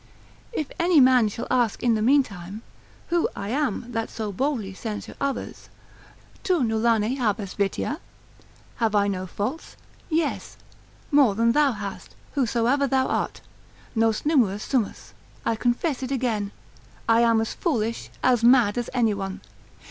If any man shall ask in the meantime, who I am that so boldly censure others, tu nullane habes vitia? have I no faults? Yes, more than thou hast, whatsoever thou art. Nos numerus sumus, I confess it again, I am as foolish, as mad as any one.